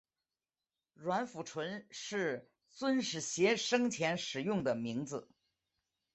阮福淳是尊室协生前使用的名字。